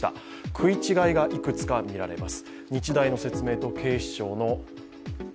食い違いがいくつか見られます。